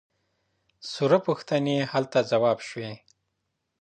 ثره پوښتنې هلته ځواب شوي.